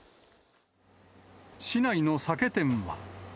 市内の酒店は。